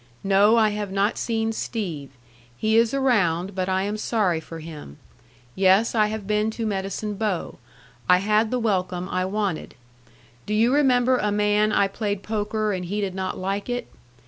No I have not seen Steve. He is around but I am sorry for him. Yes I have been to Medicine Bow. I had the welcom I wanted. Do you remember a man I played poker and he did not like it?